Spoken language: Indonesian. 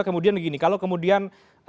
kemudian begini kalau kemudian